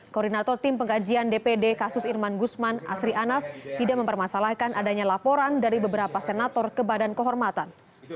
koordinator tim pengkajian dpd kasus irman gusman asri anas tidak mempermasalahkan adanya laporan dari beberapa senator ke badan kehormatan